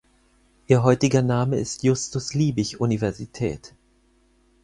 Ihr heutiger Name ist Justus-Liebig-Universität.